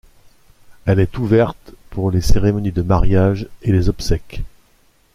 Elle est ouverte pour les cérémonies de mariages et les obsèques.